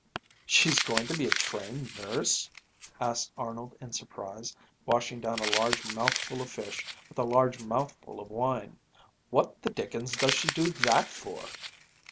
"She's going to be a trained nurse?" asked Arnold in surprise, washing down a large mouthful of fish with a large mouthful of wine. "What the dickens does she do that for?"